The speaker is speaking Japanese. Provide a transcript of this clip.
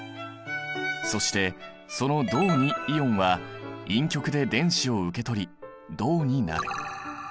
そしてその銅イオンは陰極で電子を受け取り銅になる。